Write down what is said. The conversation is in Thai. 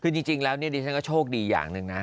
คือจริงแล้วฉันก็โชคดีอย่างหนึ่งนะ